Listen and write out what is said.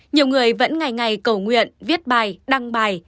nhiều người vẫn ngày ngày cầu nguyện viết bài đăng bài